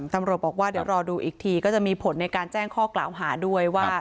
ตำรวจบอกว่าเดี๋ยวรอดูอีกทีก็จะมีผลในการแจ้งข้อกล่าวหาด้วยว่า